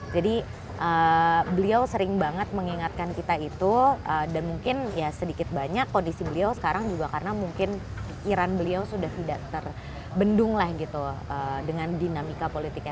jadi beliau sering banget mengingatkan kita itu dan mungkin ya sedikit banyak kondisi beliau sekarang juga karena mungkin pikiran beliau sudah tidak terbendung lah gitu dengan dinamika politiknya